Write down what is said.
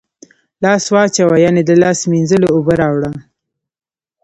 لاس واچوه ، یعنی د لاس مینځلو اوبه راوړه